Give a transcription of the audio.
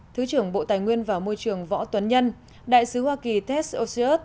thứ trưởng bộ tài nguyên và môi trường võ tuấn nhân đại sứ hoa kỳ tess osseus